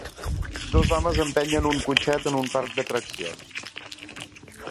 Dos homes empenyen un cotxet en un parc d'atraccions.